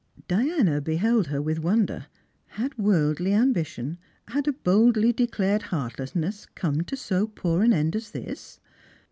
Diana beheld her with wonder. Had worldly ambition, had a boldlj" declared heartlessness come to so poor an end as this